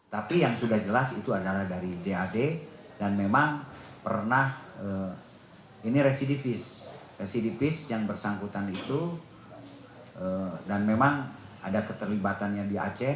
tapi yang sudah jelas itu adalah dari jad dan memang pernah ini residivis residivis yang bersangkutan itu dan memang ada keterlibatannya di aceh